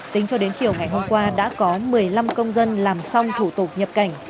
tính cho đến chiều ngày hôm qua đã có một mươi năm công dân làm xong thủ tục nhập cảnh